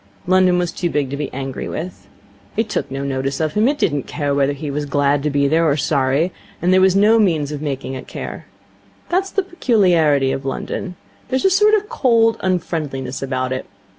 London was too big to be angry with. It took no notice of him. It did not care whether he was glad to be there or sorry, and there was no means of making it care. That is the peculiarity of London. There is a sort of cold unfriendliness about it.